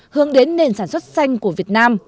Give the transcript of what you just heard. hướng đến nền sản xuất xanh của việt nam